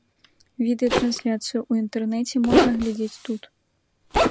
Відэатрансляцыю ў інтэрнэце можна глядзець тут.